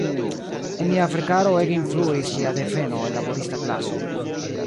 En lia verkaro ege influis lia deveno el laborista klaso.